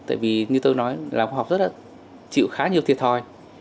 tại vì như tôi nói là khoa học rất là chịu khá nhiều thiệt thòi